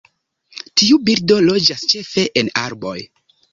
Tiu birdo loĝas ĉefe en arboj.